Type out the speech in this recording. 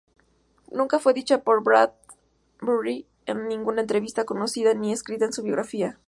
Nunca fue dicha por Bradbury en ninguna entrevista conocida ni escrita en su biografía.